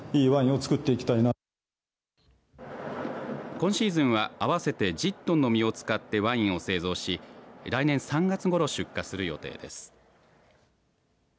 今シーズンは合わせて１０トンの実を使ってワインを製造し来年３月ごろ出荷する予定です。